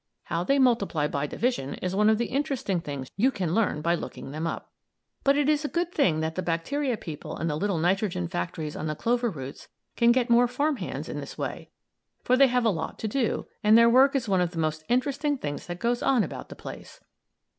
How they multiply by division is one of the interesting things you can learn by looking them up. But it's a good thing that the bacteria people in the little nitrogen factories on the clover roots can get more farm hands in this way, for they have a lot to do, and their work is one of the most interesting things that goes on about the place.